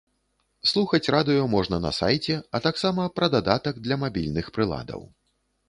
Слухаць радыё можна на сайце, а таксама пра дадатак для мабільных прыладаў.